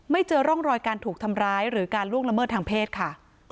เจอร่องรอยการถูกทำร้ายหรือการล่วงละเมิดทางเพศค่ะ